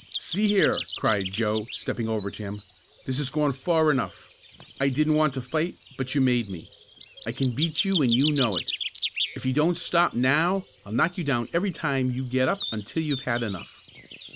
"See here!" cried Joe, stepping over to him. "This has gone far enough. I didn't want to fight, but you made me. I can beat you and you know it. If you don't stop now I'll knock you down every time you get up until you've had enough."